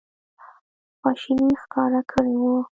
خواشیني ښکاره کړې وه.